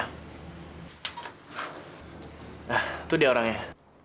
nah itu dia orangnya